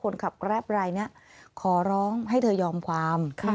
คนขับแกร็ปใบนี้ขอร้องให้เธอยอมความ